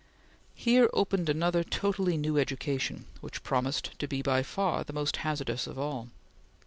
Here opened another totally new education, which promised to be by far the most hazardous of all.